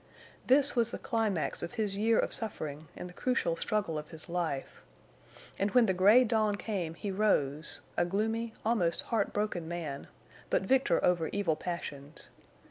This was the climax of his year of suffering and the crucial struggle of his life. And when the gray dawn came he rose, a gloomy, almost heartbroken man, but victor over evil passions.